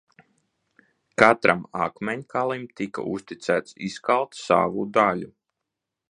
Katram akmeņkalim tika uzticēts izkalt savu daļu.